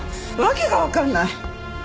わけがわからない。